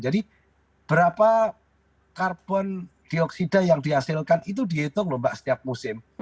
jadi berapa karbon dioksida yang dihasilkan itu dihitung loh mbak setiap musim